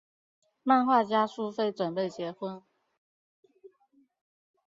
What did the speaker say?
漫画家苏菲准备结婚。